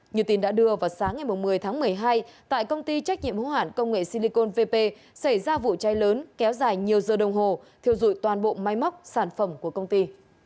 như tin đã đưa vào sáng ngày một mươi tháng một mươi hai tại công ty trách nhiệm hữu hạn công nghệ silicon vp xảy ra vụ cháy lớn kéo dài nhiều giờ đồng hồ thiêu dụi toàn bộ máy móc sản phẩm của công ty